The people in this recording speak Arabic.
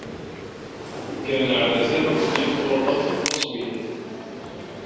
كان على سامي أن يحضر درس التّصوير.